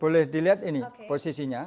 boleh dilihat ini posisinya